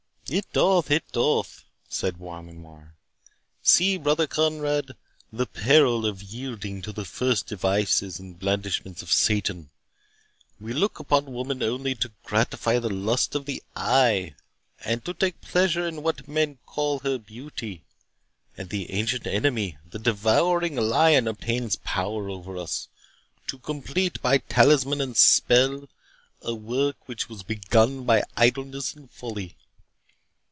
"It doth!—it doth!" said Beaumanoir. "See, brother Conrade, the peril of yielding to the first devices and blandishments of Satan! We look upon woman only to gratify the lust of the eye, and to take pleasure in what men call her beauty; and the Ancient Enemy, the devouring Lion, obtains power over us, to complete, by talisman and spell, a work which was begun by idleness and folly.